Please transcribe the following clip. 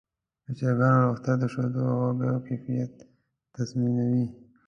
د چرګانو روغتیا د شیدو او هګیو کیفیت تضمینوي.